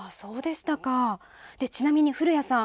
ちなみに古谷さん